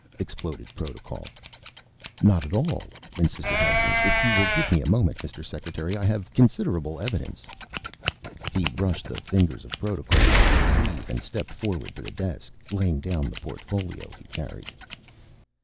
exploded Protocol. "Not at all," insisted Hudson. "If you will give me a moment, Mr. Secretary, I have considerable evidence." He brushed the fingers of Protocol off his sleeve and stepped forward to the desk, laying down the portfolio he carried.